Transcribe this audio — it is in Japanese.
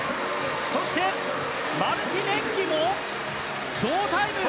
そして、マルティネンギも同タイム。